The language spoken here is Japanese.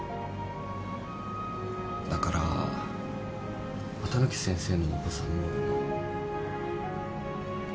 だから綿貫先生のお子さんも。